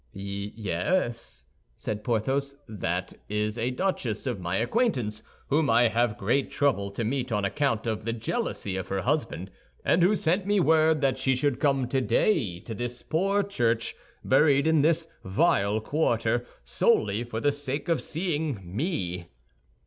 "Yes," said Porthos, "that is a duchess of my acquaintance whom I have great trouble to meet on account of the jealousy of her husband, and who sent me word that she should come today to this poor church, buried in this vile quarter, solely for the sake of seeing me."